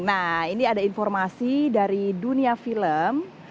nah ini ada informasi dari dunia film